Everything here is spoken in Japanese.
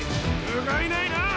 ふがいないな！